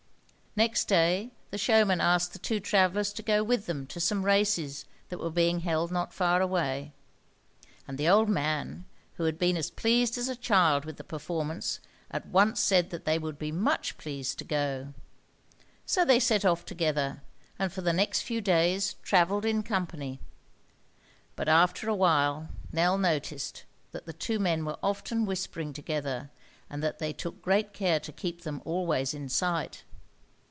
Next day the showman asked the two travellers to go with them to some races that were being held not far away; and the old man, who had been as pleased as a child with the performance, at once said that they would be much pleased to go. So they set off together, and for the next few days travelled in company. [Illustration: So they set off together] But after a while Nell noticed that the two men were often whispering together, and that they took great care to keep them always in sight.